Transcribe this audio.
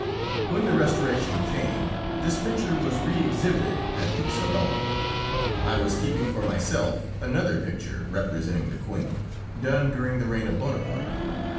When the Restoration came, this picture was reëxhibited at the Salon. I was keeping for myself another picture representing the Queen, done during the reign of Bonaparte.